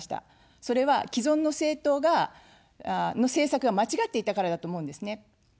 それは既存の政党の政策が間違っていたからだと思うんですね。